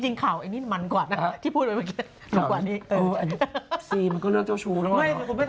จริงข่าวไอ้นี่มันกว่าเที่ยวมากกว่านี้